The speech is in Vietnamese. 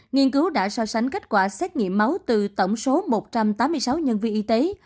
nghiên cứu đã so sánh kết quả xét nghiệm máu từ tổng số một trăm tám mươi sáu nhân viên y tế